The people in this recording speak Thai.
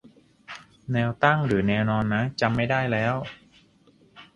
แนวตั้งหรือแนวนอนนะ จำไม่ได้แล้ว